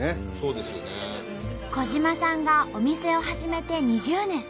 小嶋さんがお店を始めて２０年。